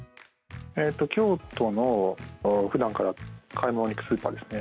京都の普段から買い物に行くスーパーですね。